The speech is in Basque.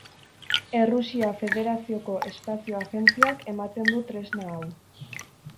Errusia Federazioko Espazio Agentziak ematen du tresna hau.